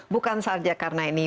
bukan saja karena ini